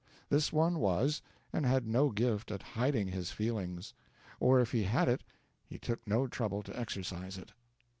This one was, and had no gift at hiding his feelings; or if he had it he took no trouble to exercise it.